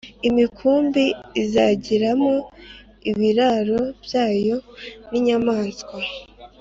Imikumbi izagiramo ibiraro byayo n inyamaswa